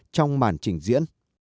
trong màn trình diễn